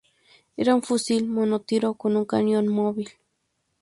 Era un fusil monotiro con un cañón móvil.